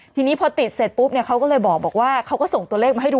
ทีนี้พอติดเสร็จปุ๊บเนี่ยเขาก็เลยบอกว่าเขาก็ส่งตัวเลขมาให้ดู